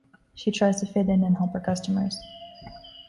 She tries to fit in and help her customers.